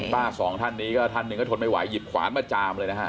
สองท่านนี้ก็ท่านหนึ่งก็ทนไม่ไหวหยิบขวานมาจามเลยนะฮะ